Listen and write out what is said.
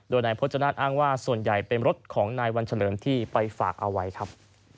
โดยนายพจนาฏอ้างว่าส่วนใหญ่เป็นรถของนายวันเฉลิมที่ไปฝากเอาไว้ครับ